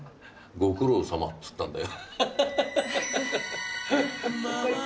「ご苦労さま」っつったんだよ。